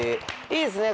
いいですね